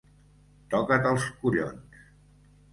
Toca't els collons!